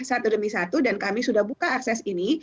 satu demi satu dan kami sudah buka akses ini